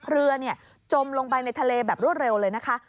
เรือจมลงไปในทะเลแบบรวดเร็วเลยนะคะ